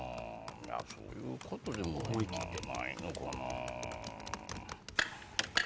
そういうことでもないのかな？